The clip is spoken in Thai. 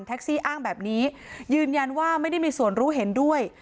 ซี่อ้างแบบนี้ยืนยันว่าไม่ได้มีส่วนรู้เห็นด้วย